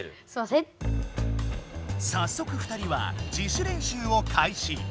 さっそく２人は自主練習をかいし！